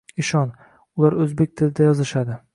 Ishon, ular oʻzbek tilida yozishadi...